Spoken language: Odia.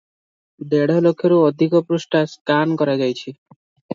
ଦେଢ଼ ଲକ୍ଷରୁ ଅଧିକ ପୃଷ୍ଠା ସ୍କାନ କରାଯାଇଛି ।